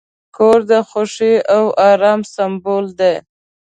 کور د خوښۍ او آرام سمبول دی.